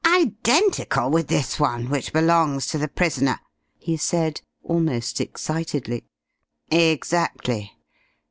"Identical with this one, which belongs to the prisoner!" he said almost excitedly. "Exactly.